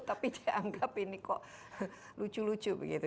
tapi dianggap ini kok lucu lucu begitu